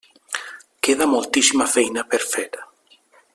Queda moltíssima feina per fer.